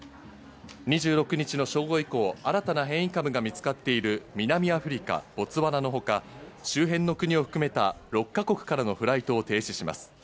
２６日の正午以降、新たな変異株が見つかっている南アフリカ、ボツワナのほか、周辺の国を含めた６か国からのフライトを停止します。